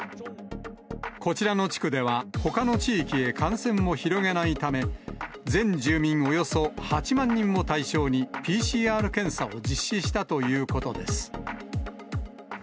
こちらの地区では、ほかの地域へ感染を広げないため、全住民およそ８万人を対象に、ＰＣＲ検査を実施したということです。